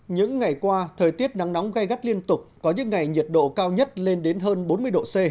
những ngày qua thời tiết nắng nóng gai gắt liên tục có những ngày nhiệt độ cao nhất lên đến hơn bốn mươi độ c